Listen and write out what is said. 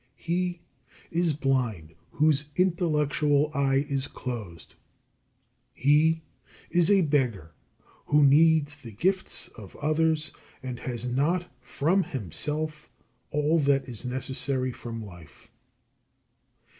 He is blind, whose intellectual eye is closed. He is a beggar, who needs the gifts of others, and has not from himself all that is necessary for life.